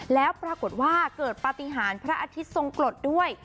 แล้วปรากฏว่าเกิดปฏิหารพระอาทิตย์ทรงกรดด้วย